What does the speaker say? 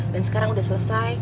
dan sekarang udah selesai